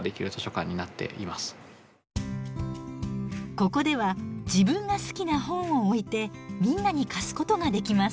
ここでは自分が好きな本を置いてみんなに貸すことができます。